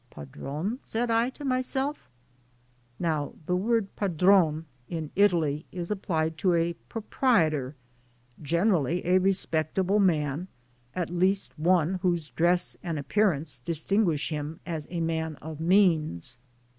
"Padrone?" said I to myself. Now the word "padrone" in Italy is IN THE AMERICAN STORM 79 applied to a proprietor, generally a respectable man, at least one whose dress and appearance dis tinguish him as a man of means.